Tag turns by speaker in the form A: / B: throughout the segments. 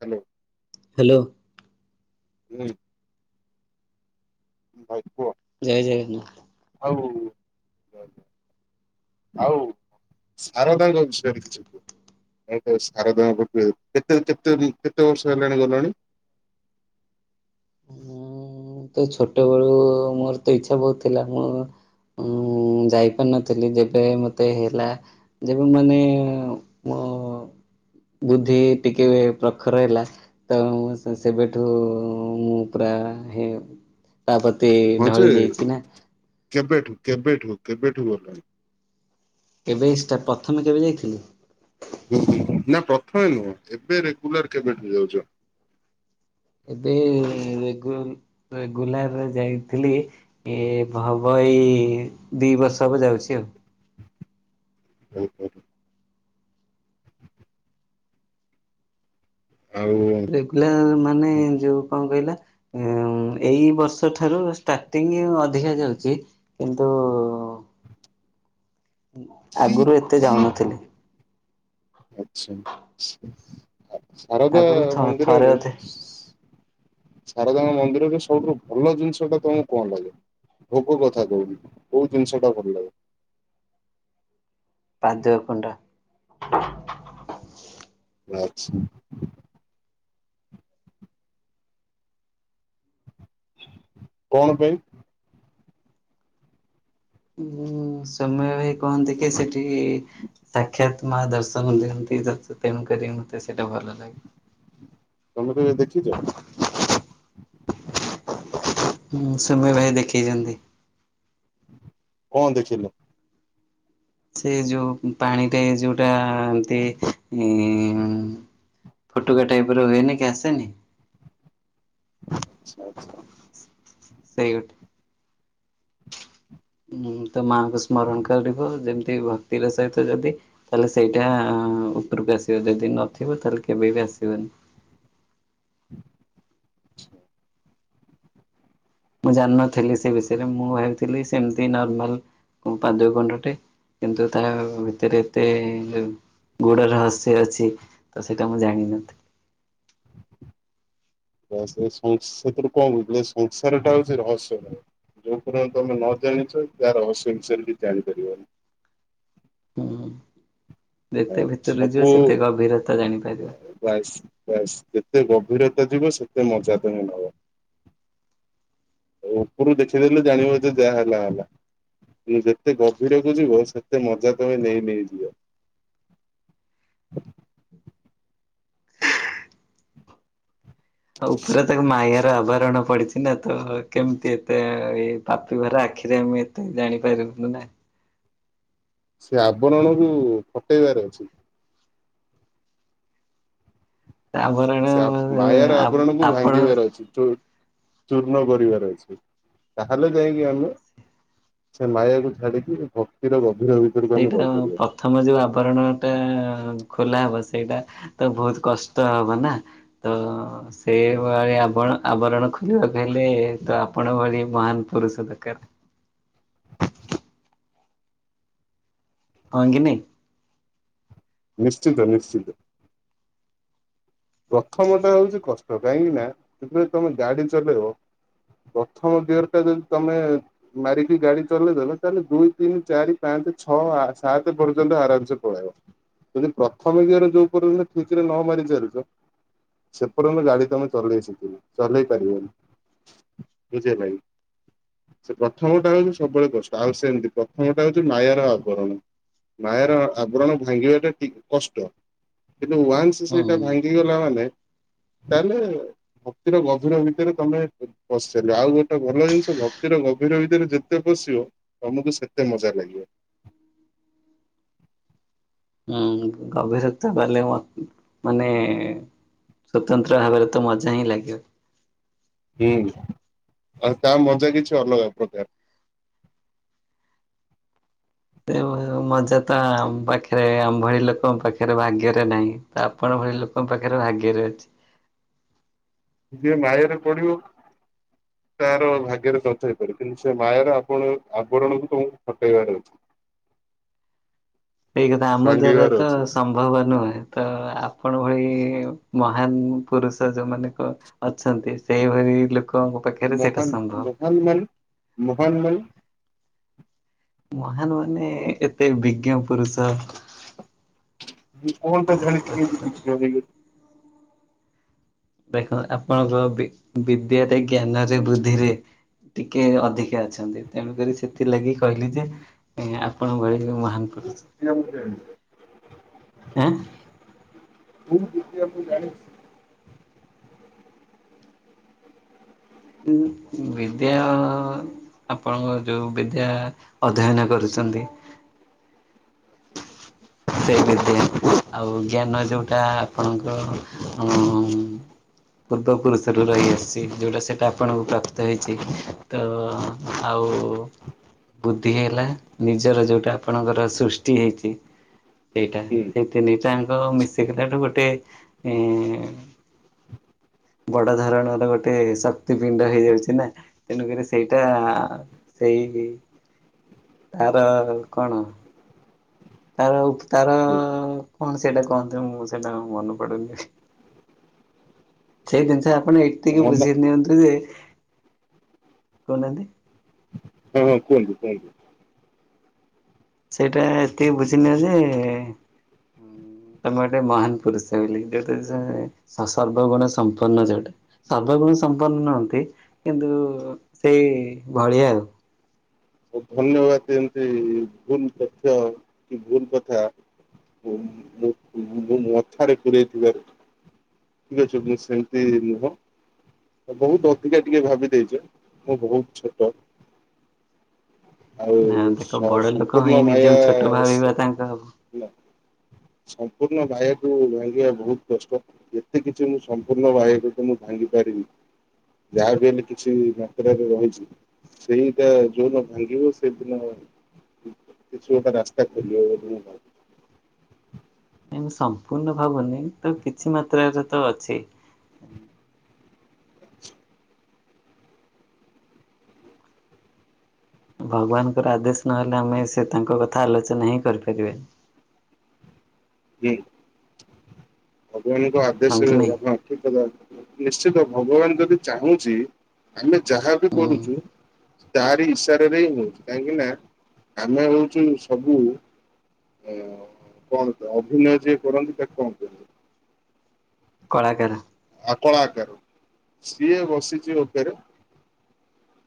A: Hello.
B: Hello.
A: ହୁଁ। ଭାଇ କୁହ?
B: ଜୟ ଜୟଗନ୍ନାଥ।
A: ହଉ। ଆଉ ଶାରଦାଙ୍କ ବିଷୟରେ କିଛି କୁହ? ସାରଦାଙ୍କ ପାଖକୁ କେତେ କେତେ କେତେ ବର୍ଷ ହେଲାଣି ଗଲାଣି? ହଁ।
B: ମୁଁ ତ ଛୋଟବେଳୁ ମୋର ତ ଇଛା ବହୁତ ଥିଲା ମୁଁ ଉଁ ଯାଇପାରିନଥିଲି ଯେବେ ମତେ ହେଲା ଯେବେ ମାନେ ମୋ ବୁଦ୍ଧି ଟିକେ ପ୍ରଖର ହେଲା ତ ସେ ସେବେଠୁ ଓ ମୁଁ ପୁରା ହେ ତା ପତି
A: ହଁ ଯେ
B: ଢଳି ଯାଇଛି ନା।
A: କେବେଠୁ କେବେଠୁ କେବେଠୁ ଗଲାଣି?
B: ଏବେଇ ସେଟା ପଥମେ କେବେ ଯାଇଥିଲି?
A: ଉଁ ହୁଁ ହୁଁ ନାଁ ପ୍ରଥମେ ନୁହଁ। ଏବେ ରେଗୁଲାର କେବେଠୁ ଯାଉଛ?
B: ଏବେ ରେଗୁ ରେଗୁଲାର୍ ଯାଇଥିଲି ଏ ଭାବ ଏଇ ଦି ବର୍ଷ ହବ ଯାଉଚି ଆଉ।
A: ଏଇଥ ଆଉ
B: ଏ ଥିଲା ମାନେ ଯୋଉ କଁ କହିଲ ଏଁ ଏଇ ବର୍ଷ ଠାରୁ ଷ୍ଟାର୍ଟିଂ ଅଧିକା ଯାଉଚି। କିନ୍ତୁ ଆଗୁରୁ ଏତେ ଯାଉନଥିଲି।
A: ଆଚ୍ଛା ଶାରଦା
B: ଆଗରୁ ଥ ଥରେ
A: ମନ୍ଦିରରେ
B: ଅଧେ
A: ଶାରଦାଙ୍କ ମନ୍ଦିରରେ ସବୁଠୁ ଭଲ ଜିନିଷଟା ତମୁ କଣ ଲାଗେ? ଭୋଗ କଥା କହୁନି ମ କୋଉ ଜିନିଷଟା ଭଲ ଲାଗେ?
B: ପାଦକୁଣ୍ଡା।
A: ଉଆଛି। କଣ ପାଇଁ?
B: ଉଁ ସୁମୟ ଭାଇ କହନ୍ତି କି ସେଠି ସାକ୍ଷାତ ମା ଦର୍ଶନ ଦିଅନ୍ତି ଦଶ୍ ତେଣୁକରି ମତେ ସେଇଟା ଭଲ ଲାଗେ।
A: [inaudible] ତମେ କେବେ ଦେଖିଚ?
B: ମୁଁ ସୁମୟ ଭାଇ ଦେଖିଚନ୍ତି।
A: କଁ ଦେଖିଲ?
B: ସେ ଯୋଉ ପାଣିରେ ଯୋଉଟା ଏମତି ଇଁ ଫୁଟୁକା ଟାଇପ୍ ର ହୁଏନି କି ଆସେନି?
A: ଆଚ୍ଛା ଆଚ୍ଛା।
B: ସେଇ ଗୋଟ୍ ମୁଁ ତ ମାଆଙ୍କୁ ସ୍ମରଣ କରିବ ଯେମତି ଭକ୍ତିର ସହିତ ଯଦି ତାଲେ ସେଇଟା ଉପରୁକୁ ଆସିବ ଯଦି ନଥିବ ତାହେଲେ କେବେ ବି ଆସିବନି।
A: ଛା
B: ମୁଁ ଜାଣିନଥିଲି ସେ ବିଷୟରେ ମୁଁ ଭାବିଥିଲି ସେମତି ନର୍ମାଲ କୁ ପାଦୁ କୁଣ୍ଡଟେ। କିନ୍ତୁ ତା ଭିତରେ ଏତେ ଯୋଉ ଗୁଡ ରହସ୍ୟ ଅଛି ତ ସେଇଟା ମୁଁ ଜାଣିନଥି
A: ବାସ୍ ଏଇ ସଂସ୍ ସେଇଥୁରୁ କମ ମି ଏ ସଂସାରଟା ହଉଛି ରହସ୍ୟମୟ। ଯୋଉ ପର ତମେ ନ ଜାଣିଛ ଯାହା ରହସ୍ୟ ବିଷୟରେ କି ଜାଣିପାରିବନି।
B: ହୁଁ
A: ହଁ
B: ଯେତେ ଭିତରୁ ଯିବ
A: ସବୁ
B: ସେତେ ଗଭୀରତା ଜାଣିପାରିବ।
A: ବାସ୍ ବାସ୍ ଯେତେ ଗଭୀରତା ଯିବ ସେତେ ମଜା ତମେ ନବ। ଓ ଓପରୁ ଦେଖେଇ ଦେଲେ ଜାଣିବ ଯେ ଯାହା ହେଲା ହେଲା। ଯେତେ ଗଭୀରକୁ ଯିବ ସେତେ ମଜା ତମେ ନେଇ ନେଇଯିବ।
B: ଆଉ ଉପରେ ତାକୁ ମାୟାର ଆବାରଣ ପଡ଼ିଛି। ଇନା ତ କେମତି ଏତେ ଏଇ ପାପି ଭରା ଆଖିରେ ଆମେ ଏତେ ଜାଣିପାରିବୁନୁ ନା।
A: ସେ ଆବରଣକୁ ଫଟେଇବାର ଅଛି।
B: ଆବରଣ
A: ସ୍ୟାପ୍ ମାୟାର ଆବରଣ କୁ
B: ଆପଣ
A: ଭାଙ୍ଗିବାର ଅଛି। ଚୂର୍ଣ୍ଣ କରିବାର ଅଛି ତାହେଲେ ଯାଇକି ଆମେ। ସେ ମାୟା କୁ ଛାଡିକି ଭକ୍ତିର ଗଭୀର। ଭିତରକୁ ଆମେ
B: ସେଇଟା ହିଁ ମୁଁ ପ
A: ଯାଇପାରିବା
B: ପ୍ରଥମ ଯୋଉ ଆବରଣ ଟେ ଖୋଲା ହବ ସେଇଟା ତ ବହୁତ କଷ୍ଟ ହବ ନା। ତ। ସେ ଭଳି ଆବଣ ଆବରଣ ଖୋଲିବାକୁ ହେଲେ ତ ଆପଣଙ୍କ ଭଳି ମହାନ ପୁରୁଷ ଦରକାର। ହଁ କି ନାଇଁ।
A: ନିଶ୍ଚିନ୍ତ ନିଶ୍ଚିନ୍ତ। ପ୍ରଥମ ଟା ହଉଛି କଷ୍ଟ କାହିଁକି ନା ଯେତେବେଳେ ତମେ ଗାଡି ଚଲେଇବ। ପ୍ରଥମ ଗିଅର ଟା ଯଦି ତମେ। ମାରିକି ଗାଡି ଚଲେଇ ଦେଲ ତାହେଲେ ଦୁଇ ତିନି ଚାରି ପାଞ୍ଚ ଛଅ ଆ ସାତେ ପର୍ଯ୍ୟନ୍ତ ଆରାମସେ ପଳେଇବ। କିନ୍ତୁ ପ୍ରଥମେ ଗିଅର ଯୋଉ ପର୍ଯ୍ୟନ୍ତ ଠିକ ରେ ନ ମାରି ଚାଲିଛ। ସେ ପର୍ଯ୍ୟନ୍ତ ଗାଡି ତମେ ଚଲେଇ ସିଖିନ ଚଲେଇ ପାରିବନି ବୁଝି ହେଲା କି। ସେ ପ୍ରଥମଟା ହଉଛି ସବୁବେଳେ କଷ୍ଟ ଆଉ ସେମିତି ପ୍ରଥମଟା ହଉଛି ମାୟାର ଆବରଣ। ମାୟାର ଆବରଣ ଭାଙ୍ଗିବା ଟା ଟିକେ କଷ୍ଟ କିନ୍ତୁ ୱାନ୍ସ
B: ହୁଁ
A: ସେଇଟା ଭାଙ୍ଗ ଙ୍ଗି ଗଲା ମାନେ ତାହେଲେ। ଭକ୍ତିର ଗଭୀର ଭିତରେ ତମେ ପଶାଚାରିଲ ଆଉ ଗୋଟେ ଭଲ ଜିନିଷ ଭକ୍ତିର ଗଭୀର ଭିତରେ ଯେ ଯେତେ ପସିବ ତମକୁ ସେତେ ମଜା ଲାଗିବ।
B: ହୁଁ ଗଭୀରତ୍ୱ ବାଲେ ମତ୍ ମାନେ। ସ୍ୱତନ୍ତ୍ର ଭାବାରେ ତ ମଜା ହିଁ ଲାଗିବ।
A: ହୁଁ ଆଉ ତା ମଜା କିଛି ଅଲଗା ପ୍ରକାର।
B: ସେ ଏ ମଜା ଟା ଆମ ପାଖରେ ଆମଭଳି ଲୋକ ପାଖରେ ଭାଗ୍ୟରେ ନାହିଁ‌। ତ ଆପଣଙ୍କ ଭଳି ଲୋକଙ୍କ ପାଖରେ ଭାଗ୍ୟରେ ଅଛି।
A: ଯିଏ ମାୟାରେ ପଡିବ। ତାର ଭାଗ୍ୟରେ ନଥାଇ ପାରେ କିନ୍ତୁ ସେ ମାୟାର ଆପଣ ଆବରଣକୁ ତମକୁ ହଟେଇବାର ଅଛି। [inaudible]
B: ଏଇ କଥା ଆମ ଦାରା
A: ଭାଙ୍ଗିବାର
B: ତ
A: ଅଛି
B: ସମ ଭବ ନୁହେଁ ତ ଆପଣଙ୍କ ଭଳି ମହାନ ପୁରୁଷ ଯୋଉମାନେଙ୍କ। ଅଛନ୍ତି ସେଇଭଳି ଲୋକଙ୍କୁ।
A: ମହାନ ମହାନ ମାନେ ମହାନ ମାନେ।
B: ମହାନ ମାନେ ଏତେ ବିଜ୍ଞ ପୁରୁଷ।
A: ମୁଁ କଣ ଟା ଜାଣିଛି କି ଏମିତି ବିଜ୍ଞ ହେଇଗଲି।
B: ଦେଖନ୍ତ ଆପଣଙ୍କ ବିଦ୍ୟାାରେ ଜ୍ଞାନରେ ବୃଦ୍ଧିରେ। ଟିକେ ଅଧିକା ଅଛନ୍ତି ତେଣୁକରି ସେଥି ସେଥି ଲାଗି କହିଲି ଯେ ଏଁ ଆପଣଙ୍କ ଭଳି ମହାନ ପୁରୁଷ।
A: [inaudible] କୋଉ
B: ଆଁ
A: ବିଦ୍ୟା ମୁଁ ଜାଣିଛି।
B: ଉଁ ବିଦ୍ୟା। ଆପଣଙ୍କ ଯୋଉ ବିଦ୍ୟା ଅଧ୍ୟୟନ କରୁଛନ୍ତି। ସେଇ ବିଦ୍ୟା ଆଉ ଜ୍ଞାନ ଯୋଉଟା ଆପଣଙ୍କ ଉଁ। ପୂର୍ବ ପୁରୁଷରୁ ରହି ଆସିଛି ଯୋଉ‌ ଟା ସେଇଟା ଆପଣଙ୍କୁ ପ୍ରାପ୍ତ ହେଇଛି ତ। ଆଉ ବୁଦ୍ଧି ହେଲା ନିଜର ଯୋଉଟା ଆପଣଙ୍କର ସୃଷ୍ଟି ହେଇଛି। ସେଇଟା
A: ହୁଁ
B: ସେଇ ତିନିଟାଆଙ୍କ ମିଶି ଗଲାରୁ ଗୋଟେ ଏଁ। ବଡ ଧରଣର ଗୋଟେ ଶକ୍ତି ପିଣ୍ଡ ହେଇଯାଉଛି ନା ତେଣୁକରି ସେଇଟା ସେଇ ତାର କଣ ତାର ତାର
A: ହୁଁ
B: କଣ ସେଇଟା କହନ୍ତି ମୁଁ ସେଇଟାଣ ମନେ ପଡୁନି ସେଇ ଜିନିଷ ଆପଣ ଏତିକି
A: ମନ
B: ବୁଝେଇ ନିଅନ୍ତୁ ଯେ କହୁନାହାନ୍ତି
A: ହଁ ହଁ କୁହନ୍ତୁ କୁହନ୍ତୁ
B: ସେଇଟା ଏତିକି ବୁଝିଲି ଯେ ତମେ ଗୋଟେ ମହାନ ପୁରୁଷ ବୋଲି ଯୋଉଟା ସେ ସର୍ବଗୁଣ ସମ୍ପନ୍ନ ଯୋଉଟା ସର୍ବଗୁଣ ସମ୍ପନ୍ନ ନୁହନ୍ତି କିନ୍ତୁ ସେଇ ଭଳିଆ ଆଉ
A: ଧନ୍ୟବାଦ ଏମିତି ଭୁଲ ତଥ୍ୟ କି ଭୁଲ କଥା ମ ମ ମ ମଥାରେ ପୁରେଇଥିବାରୁ ଠିକ ଅଛ ମୁଁ ସେମିତି ନୁହଁ। ବହୁତ ଅଧିକା ଟିକେ ଭାବିଦେଇଛି ମୁଁ ବହୁତ ଛୋଟ। ଆଉ
B: ନା ଦେଖ ବଡ ଲୋକ
A: ସମ୍ପୂର୍ଣ୍ଣ
B: ହେଇ ନିଜକୁ
A: ମାୟା
B: ଛୋଟ ଭାବିବା
A: ସ
B: ତାଙ୍କ
A: ହେଲା ସମ୍ପୂର୍ଣ୍ଣ ବାୟା ଭାଙ୍ଗିବା ବହୁତ କଷ୍ଟ ଏତେ କିଛି ମୁଁ ସମ୍ପୂର୍ଣ୍ଣ ବାହ ମୁଁ ଭାଙ୍ଗି ପାରିବି ଯାହା ବି ହେଲେ କିଛି ମାତ୍ରାରେ ରହିଛି ସେଇଟା ଯୋଉଦିନ ଭାଙ୍ଗିବ ସେଦିନ କିଛି ଗୋଟେ ରାସ୍ତା ଖୋଲିବ ବୋଲି ମୁ
B: ନଁ ମୁଁ ସମ୍ପୂର୍ଣ୍ଣ ଭାବୁନି ତ କିଛି ମାତ୍ରାରେ ତ ଅଛି ଭଗବାନଙ୍କର ଆଦେଶ ନହେଲେ ଆମେ ସେ ତାଙ୍କ କଥା ଆଲୋଚନା ହିଁ କରିପାରିବେନି
A: ହୁଁ ଭଗବାନଙ୍କ
B: ହଁ
A: ଆଦେଶ
B: କି ନାଇଁ
A: ଆପଣ ଠିକ କଥା ନିଶ୍ଚିତ ଭଗବାନ ଯଦି ଚାହୁଁଛି ଆମେ ଯାହାବ
B: ହୁଁ
A: କରୁଛୁ ତାରି ଇଶାରରେ ହିଁ ହଉଛି କାହିଁକି ନା ଆମେ ହଉଛୁ ସବୁ ଅ କଣ ଅଭିନୟ ଯିଏ କରନ୍ତି ତାକୁ କଣ କୁହନ୍ତି
B: କଳାକାର
A: ଆକଳା ଆକାର ସିଏ ବସିଛି ଉପରେ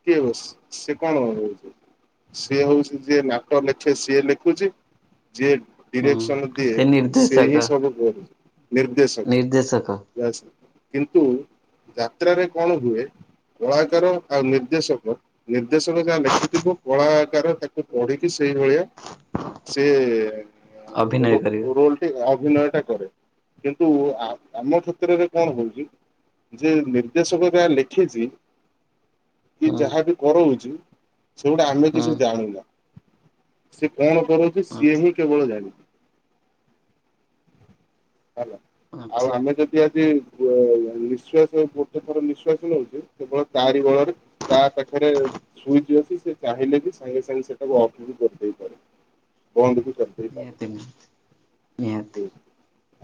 A: କେ ବ ସେ କଣ ର ସିଏ ହଉଛି ଯିଏ ନାକ ଲେଖେ ସିଏ ଲେଖୁଛି ଯିଏ
B: ହୁଁ
A: ଡିରେକ୍ସନ ଦିଏ
B: ସେ
A: ସେ ହିଁ
B: ନିର୍ଦ୍ଦେଶକ
A: ସବୁ ନିର୍ଦ୍ଦେଶକ ଯସ କିନ୍ତୁ ଯାତ୍ରାରେ କଣ ହୁଏ କଳାକାର ଆଉ ନିର୍ଦ୍ଦେଶକ ନିର୍ଦ୍ଦେଶକ ଯାହା ଲେଖିଥିବ କଳାକାର ତାକୁ ପଢିକି ସେଇଭଳିଆ ସେ
B: ଅଭିନୟ କରିବେ
A: ରୋଲ ଅଭିନୟ ଟା କରେ କିନ୍ତୁ ଆମ କ୍ଷେତ୍ରରେ କଣ କହୁଛି ଯେ ନିର୍ଦ୍ଦେଶକ ଯାହା ଲେଖିଛି କି
B: ହୁଁ
A: ଯାହା ବି କରଉଛି ସେଗୁଡ଼ା ଆମେ
B: ହୁଁ
A: କିଛି ଜାଣୁନା ସେ କଣ କରୁଛି ସିଏ
B: ଆଚ୍ଛା
A: ହିଁ କେବଳ ଜାଣି ହେଲା ଆଉ
B: ଆଚ୍ଛା।
A: ଆମେ ଯଦି ଇତ୍ୟାଦି ନିଶ୍ଵାସ ଗୋଟେ ଥର ନିଶ୍ଵାସ ନଉଛି କେବଳ ତାରି ବଳରେ ତା ପାଖରେ ସୁଇଚ ଅଛି ସେ ଚାହିଁଲେ ବି ସାଙ୍ଗେ ସାଙ୍ଗେ ସେଟାକୁ ଅଫ୍ ବି କରିଦେଇପାରେ ବନ୍ଦ ବି
B: ନିହାତି ନିହାତି
A: କରିଦେଇପାରିବ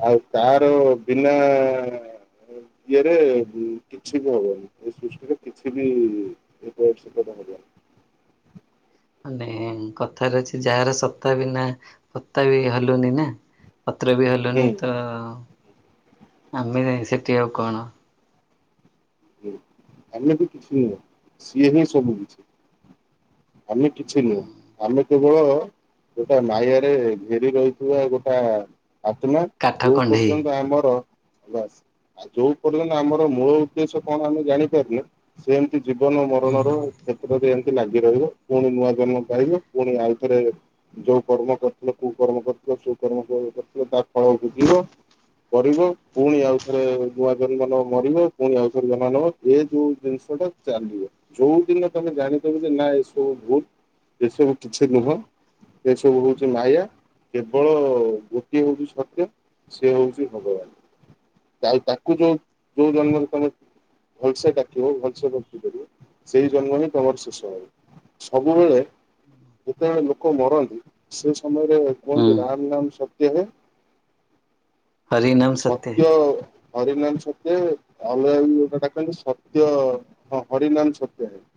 A: ଆଉ ତାର ବିନା ଇଏରେ କିଛି ବି ହବନି ଏ ସୃଷ୍ଟିରେ କିଛି ବି ରିପୋଟ [unintelligible]
B: ମାନେ କଥାରେ ଅଛି ଯାହାର ସତା ବିନା ପତା ବି ହଲୁନି ନା ପତ୍ର ବି ହଲୁନି ତ
A: ହୁଁ
B: ଆମେ ସେଠି ଆଉ କଣ
A: ତାମଲେ ତ କିଛି ନୁହେଁ ସିଏ ହିଁ ସବୁ କିଛି। ଆମ କିଛି ନୁହେଁ ଆମେ କେବଳ ଗୋଟା ମାୟରେ ଘେରି ରହିଥିବା ଗୋଟା ଆତ୍ମା
B: କାଠ
A: ଯୋଉ
B: କଣ୍ଢେଇ
A: ପର୍ଯ୍ୟନ୍ତ ଆମର ଆଉ ଯୋଉ ପର୍ଯ୍ୟନ୍ତ ଆମର ମୂଳ ଉଦ୍ଦେଶ୍ୟ କଣ ଆମେ ଜାଣିପାରନେ ସେ ଏମିତି ଜୀବନ
B: ହୁଁ
A: ମରଣର କ୍ଷେତ୍ରରେ ଲାଗି ରହିବ ପୁଣି ନୂଆ ଜନ୍ମ ପାଇବ ପୁଣି ଆଉ ଥରେ ଯୋଉ କର୍ମ କରିୁଥିଲ କୋଉ କର୍ମ କରିୁଥିଲେ ସୋ କର୍ମ କରିଥିଲେ ତା ଫଳ ଭୋଗିବ କରିବ ପୁଣି ଆଉଥରେ ନୂଆ ଜନ୍ମ ନବ ମରିବ ପୁଣି ଆଉଥରେ ଜମା ନବ ଏ ଯୋଉ ଜିନିଷଟା ଚାଲିବ ଯୋଉ ଦିନ ତମେ ଜାଣିଦବ ଯେ ନା ଏସବୁ ଭୁଲ ଏସବୁ କିଛି ନୁହଁ ସେ ସବୁ ହଉଛି ମାୟା କେବଳ ଗୋଟିଏ ହଉଛି ସତ୍ୟ ସେ ହଉଛି ଭଗବାନ ଆଉ ତାକୁ ଯୋଉ ଯୋଉ ଜନ୍ମ ତମେ ଭଲସେ ଡାକିବ ଭଲସେ ଭର୍ତ୍ତି କରିବ ସେଇ ଜନ୍ମ ହିଁ ତମର ଶେଷ ହବ ସବୁବେଳେ ଯେତେବେଳେ ଲୋକ ମରନ୍ତି ସେ ସମୟରେ
B: ହୁଁ
A: କୁହନ୍ତି ରାମ ରାମ ସତ୍ୟ ହୁଏ
B: ହରିନାମ ହେ
A: ସତ୍ୟ ହରିନାମ ସତ୍ୟ ଅଲଗା ଗୋଟେ ଡାକନ୍ତି ସତ୍ୟ ହଁ ହରିନାମ ସତ୍ୟ ହେ।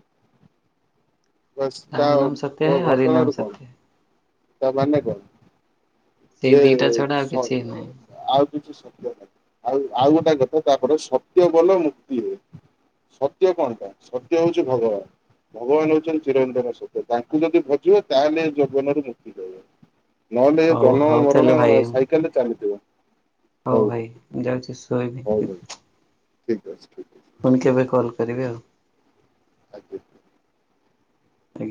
A: ତା
B: ରାମ ନାମ ସତ୍ୟ ହେ ହରି
A: ଘଟଣ
B: ନାମ
A: ରୁ କଣ
B: ସତ୍ୟ ହେ।
A: ତା ମାନେ କଣ
B: ସେଇ
A: ଯେ
B: ଦିଟା ଛଡା ଆଉ କିଛି
A: ସରି
B: ନାହିଁ
A: ଆଉ କିଛି ସତ୍ୟ ନା ଆଉ ଆଉ ଗୋଟେ କଥା ତାପରେ ସତ୍ୟବୋଲ ମୁକ୍ତି ହୁଏ ସତ୍ୟ କଣ କଣ ସତ୍ୟ ହଉଛି ଭଗବାନ ଭଗବାନ ହଉଛନ୍ତି ଚିରନ୍ଦନ ସତ୍ୟ ତାଙ୍କୁ ଯଦି ଭଜିବ ତାହେଲେ ଜଗବନ ରୁ ମୁକ୍ତି ଦେବ। ନହେଲେ
B: ହଉ ହଉ ତାହେଲେ
A: ଜନମରଣ
B: ଭାଇ
A: ସାଇକେଲରେ ଚାଲିଥିବ
B: ହଉ ଭାଇ ମୁଁ ଯାଉଛି ଶୋଇବି
A: ଠିକ୍ ଅଛି ଠିକ୍ ଅଛି।
B: ପୁଣି କେବେ କଲ୍ କରିବି ଆଉ।
A: ଆଜ୍ଞା
B: ଆକେ